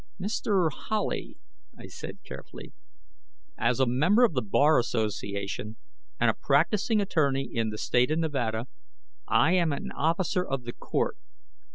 "Mr. Howley," I said carefully, "as a member of the Bar Association and a practicing attorney in the State of Nevada, I am an Officer of the Court.